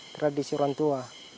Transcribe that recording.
tradisi orang tua